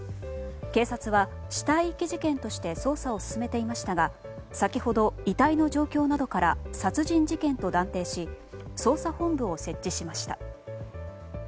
警察は死体遺棄事件として捜査を進めていましたが先ほど遺体の状況などから殺人事件と断定し捜査本部を設置しました。